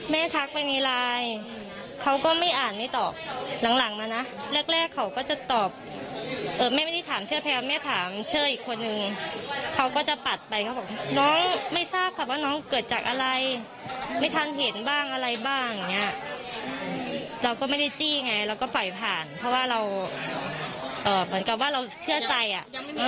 ทักไปในไลน์เขาก็ไม่อ่านไม่ตอบหลังมานะแรกแรกเขาก็จะตอบแม่ไม่ได้ถามเชื่อแพลวแม่ถามเชื่ออีกคนนึงเขาก็จะปัดไปเขาบอกน้องไม่ทราบค่ะว่าน้องเกิดจากอะไรไม่ทันเห็นบ้างอะไรบ้างอย่างเงี้ยเราก็ไม่ได้จี้ไงเราก็ปล่อยผ่านเพราะว่าเราเหมือนกับว่าเราเชื่อใจอ่ะ